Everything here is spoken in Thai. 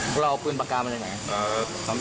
พอเราเอาปืนปากกาไหมยังไงอ่า